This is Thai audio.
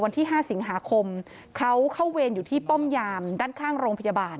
วันที่๕สิงหาคมเขาเข้าเวรอยู่ที่ป้อมยามด้านข้างโรงพยาบาล